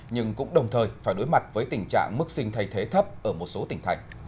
nhưng cũng đồng thời phải đối mặt với tình trạng mức sinh thay thế thấp ở một số tỉnh thành